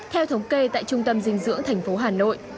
theo thống kê tại trung tâm dinh dưỡng thành phố hà nội